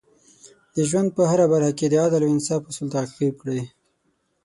د ژوند په هره برخه کې د عدل او انصاف اصول تعقیب کړئ.